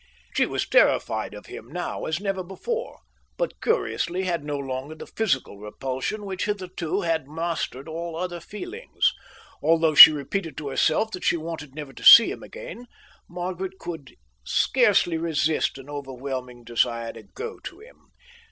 She was terrified of him now as never before, but curiously had no longer the physical repulsion which hitherto had mastered all other feelings. Although she repeated to herself that she wanted never to see him again, Margaret could scarcely resist an overwhelming desire to go to him.